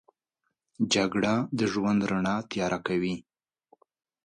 جګړه د ژوند رڼا تیاره کوي